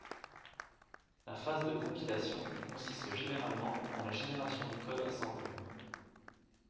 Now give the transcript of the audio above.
La phase de compilation consiste généralement en la génération du code assembleur.